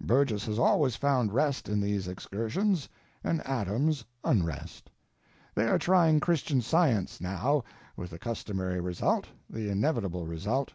Burgess has always found rest in these excursions, and Adams unrest. They are trying Christian Science, now, with the customary result, the inevitable result.